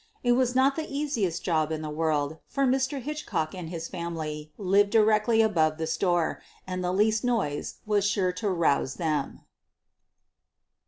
It was not the easiest job in the world, for Mr. Hitch cock and his family lived directly above the store and the least noise was sure to rouse them.